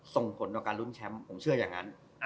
ส่งผลต่อการลุ้นแชมป์ผมเชื่ออย่างนั้น